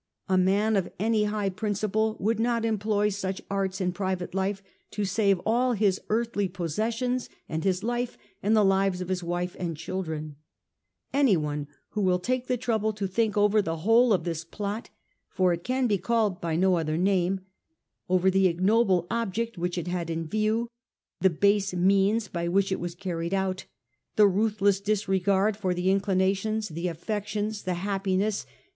A man of any high prin ciple would not employ such arts in private life to save all his earthly possessions and his life and the lives of his wife and children. Anyone who will take the trouble to think over the whole of this plot, for it can be called by no other name, over the ignoble object which it had in view, the base means by which if was carried out, the ruthless disregard for the inclinations, the affections, the happiness, and the 1846 7